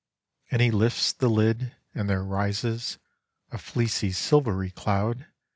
And he lifts the lid, and there rises A fleecy, silvery cloud.